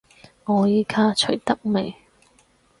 我依家除得未？